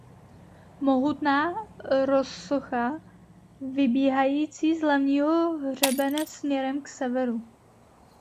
Mohutná rozsocha vybíhající z hlavního hřebene směrem k severu.